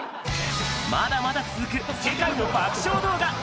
まだまだ続く世界の爆笑動画。